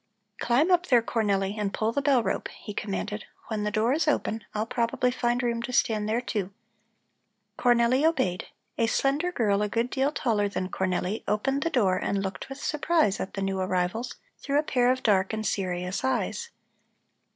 "Climb up there, Cornelli, and pull the bell rope!" he commanded. "When the door is open I'll probably find room to stand there, too." Cornelli obeyed. A slender girl a good deal taller than Cornelli opened the door and looked with surprise at the new arrivals through a pair of dark and serious eyes.